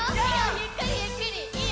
ゆっくりゆっくりいいよ。